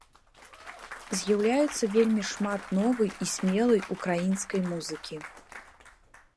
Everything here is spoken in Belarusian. З'яўляецца вельмі шмат новай і смелай ўкраінскай музыкі.